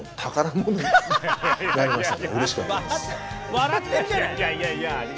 笑ってるじゃない。